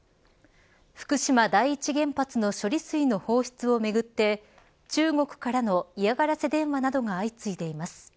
福島第一原発の処理水の放出をめぐって中国からの嫌がらせ電話などが相次いでいます。